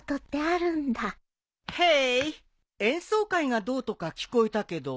ヘイ演奏会がどうとか聞こえたけど。